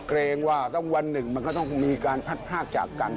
เกรงว่าสักวันหนึ่งมันก็ต้องมีการพัดพลากจากกัน